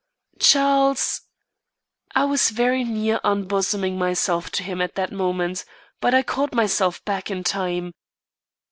"Charles " I was very near unbosoming myself to him at that moment. But I caught myself back in time.